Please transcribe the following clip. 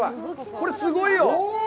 これ、すごいよ。